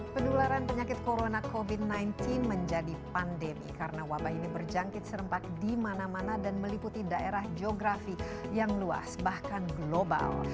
penularan penyakit corona covid sembilan belas menjadi pandemi karena wabah ini berjangkit serempak di mana mana dan meliputi daerah geografi yang luas bahkan global